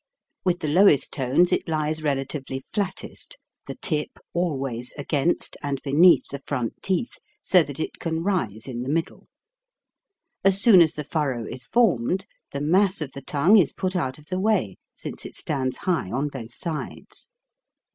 With the lowest tones it lies relatively flat test, the tip always against and beneath the front teeth, so that it can rise in the middle. As soon as the furrow is formed, the mass of the tongue is put out of the way, since it stands high on both sides.